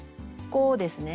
こうですね。